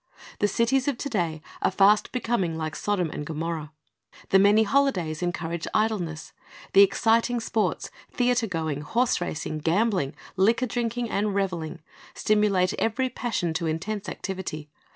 The cities of to day are fast becoming like Sodom and Gomorrah. The many holidays encourage idleness. The exciting sports — theater going, horse racing, gambling, liquor drinking, and reveling — stimulate every passion to intense activity.